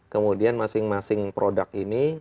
kemudian masing masing produk ini